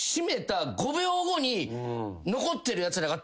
残ってるやつらが。